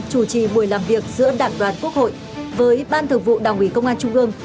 chủ trì buổi làm việc giữa đảng đoàn quốc hội với ban thường vụ đảng ủy công an trung ương